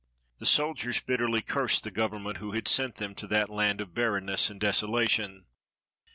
The soldiers bitterly cursed the Government who had sent them to that land of barrenness and desolation.